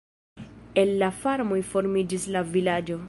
El la farmoj formiĝis la vilaĝo.